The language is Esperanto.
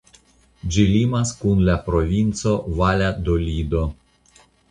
Ĝi limas kun la Provinco Valadolido.